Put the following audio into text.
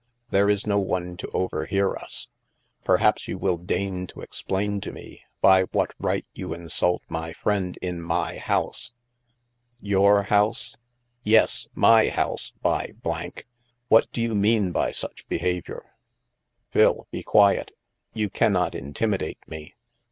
There is no one to overhear us. Perhaps you will deign to explain to me by what right you insult my friend in my house !" "Your house?" 172 THE MASK " Yes, my house, by —! What do you mean by such behavior?" " Phil, be quiet. You cannot intimidate me.